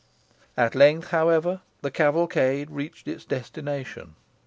At length, however, the cavalcade reached its destination.